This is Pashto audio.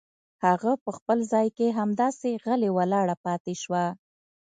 هغه په خپل ځای کې همداسې غلې ولاړه پاتې شوه.